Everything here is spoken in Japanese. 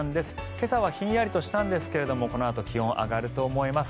今朝はひんやりとしたんですけどこのあと気温、上がると思います。